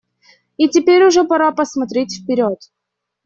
И теперь уже пора посмотреть вперед.